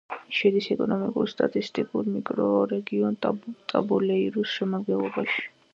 შედის ეკონომიკურ-სტატისტიკურ მიკრორეგიონ ტაბულეირუს შემადგენლობაში.